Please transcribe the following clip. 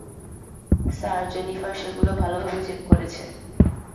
Sir, Jennifer সেগুলো ভালোভাবে check করেছে।